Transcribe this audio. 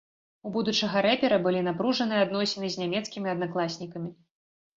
У будучага рэпера былі напружаныя адносіны з нямецкімі аднакласнікамі.